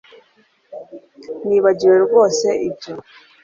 Nibagiwe rwose ibyo